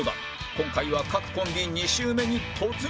今回は各コンビ２周目に突入！